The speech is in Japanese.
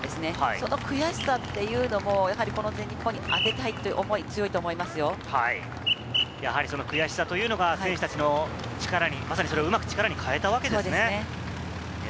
その悔しさというのも全日本に充てたいという思い、強いと思いま悔しさというのが選手たちの力に、まさに力に変えたわけですね。